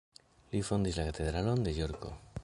Li fondis la katedralon de Jorko.